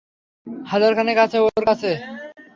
হাজারখানেক আছে ওর কাছে।